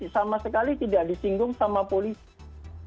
sama sekali tidak disinggung sama polisi